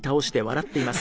待っています。